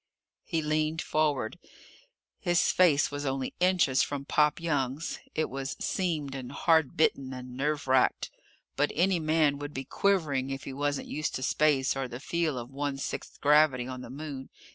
He leaned forward. His face was only inches from Pop Young's. It was seamed and hard bitten and nerve racked. But any man would be quivering if he wasn't used to space or the feel of one sixth gravity on the Moon.